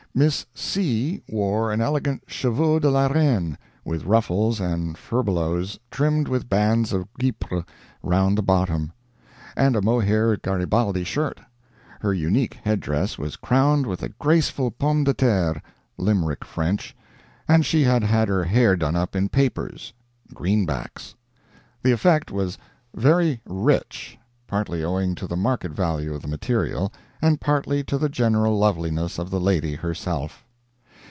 Miss C. wore an elegant Cheveux de la Reine (with ruffles and furbelows trimmed with bands of guipre round the bottom), and a mohair Garibaldi shirt; her unique head dress was crowned with a graceful pomme de terre (Limerick French), and she had her hair done up in papers—greenbacks. The effect was very rich, partly owing to the market value of the material, and partly to the general loveliness of the lady herself.